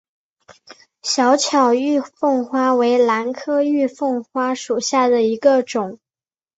小巧玉凤花为兰科玉凤花属下的一个种。